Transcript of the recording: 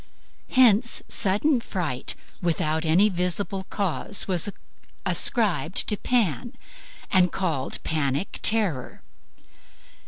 Hence sudden fright without any visible cause was ascribed to Pan, and called a Panic terror.